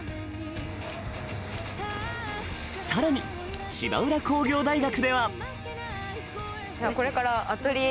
さらに芝浦工業大学では。